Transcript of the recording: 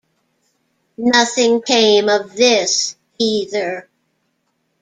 Nothing came of this, either.